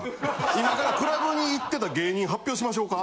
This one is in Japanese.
今からクラブに行ってた芸人発表しましょうか？